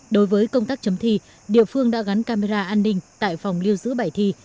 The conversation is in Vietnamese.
đối với công tác chấm thi địa phương đã gắn camera an ninh tại phòng lưu giữ bảy thi